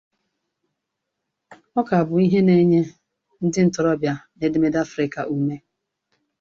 Ọ ka bụ ihe na-enye ndị ntorobịa n’edemede Afrika ume.